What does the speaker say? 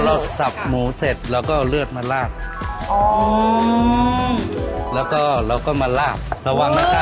สับหมูเสร็จเราก็เอาเลือดมาลาดอ๋อแล้วก็เราก็มาลาบระวังนะคะ